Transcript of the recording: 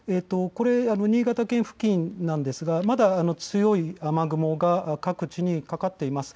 新潟県付近なんですがまだ強い雨雲が各地にかかっています。